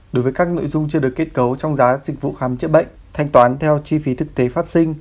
đối với các nội dung chưa được kết cấu trong giá dịch vụ khám chữa bệnh thanh toán theo chi phí thực tế phát sinh